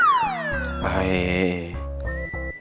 kenapa si bobby cerita kayak gini